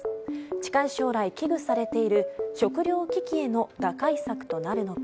近い将来、危惧されている食料危機への打開策となるのか。